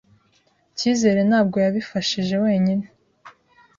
Cyizere ntabwo yabifashe wenyine.